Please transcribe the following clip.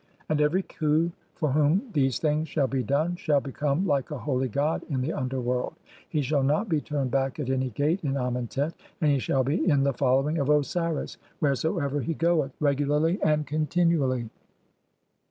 "(53) And every Khu for whom these things shall be done shall "become like a holy god in the underworld ; he shall not be "turned back at any gate in Amentet, and he shall be in the "following of (54) Osiris, wheresoever he goeth, regularly and "continually."